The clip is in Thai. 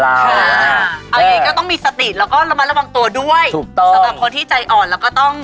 เอาอย่างนี้ก็ต้องมีสติดแล้วก็มาระวังตัวด้วยสำหรับคนที่ใจอ่อนเราก็ต้องจริงใจ